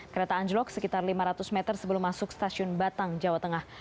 kereta anjlok sekitar lima ratus meter sebelum masuk stasiun batang jawa tengah